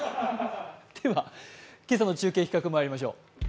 では、今朝の中継企画まいりましょう。